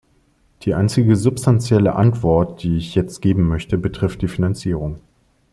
Die einzige substanzielle Antwort, die ich jetzt geben möchte, betrifft die Finanzierung.